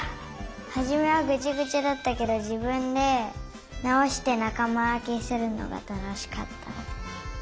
はじめはぐちゃぐちゃだったけどじぶんでなおしてなかまわけするのがたのしかった。